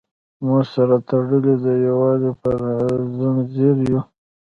موږ سره تړلي د یووالي په زنځیر یو.